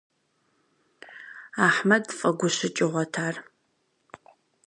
Ахьмэд фӀэгущыкӀыгъуэт ар.